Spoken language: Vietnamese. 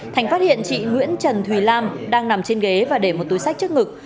thành phát hiện chị nguyễn trần thùy lam đang nằm trên ghế và để một túi sách trước ngực